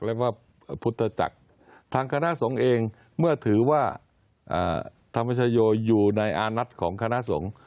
เรียกว่าพระพุทธจักรทางคณะสงฆ์เองเมื่อถือว่าธรรมชโยอยู่ในอานัทของคณะสงฆ์